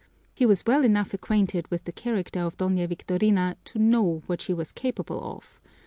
He was well enough acquainted with the character of Doña Victorina to know what she was capable of.